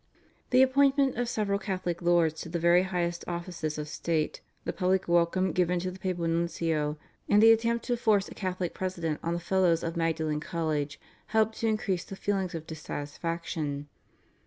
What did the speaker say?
The appointment of several Catholic lords to the very highest offices of state, the public welcome given to the papal nuncio, and the attempt to force a Catholic president on the fellows of Magdalen College helped to increase the feeling of dissatisfaction.